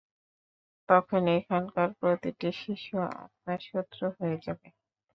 তখন এখানকার প্রতিটি শিশু আপনার শত্রু হয়ে যাবে।